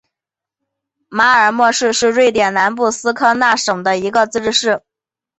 马尔默市是瑞典南部斯科讷省的一个自治市。